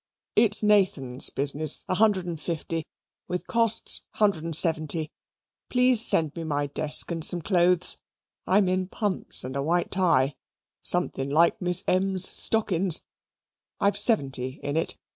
It's Nathan's business a hundred and fifty with costs, hundred and seventy. Please send me my desk and some CLOTHS I'm in pumps and a white tye (something like Miss M's stockings) I've seventy in it.